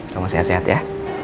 kamu sehat sehat ya